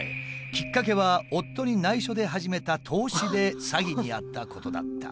きっかけは夫に内緒で始めた投資で詐欺に遭ったことだった。